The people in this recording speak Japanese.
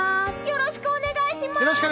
よろしくお願いします！